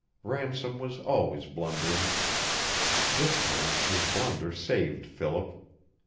Ransom was always blundering. This time his blunder saved Philip.